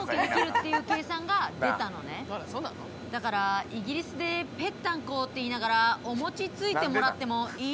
だからイギリスで「ぺったんこ」って言いながらお餅ついてもらってもいい？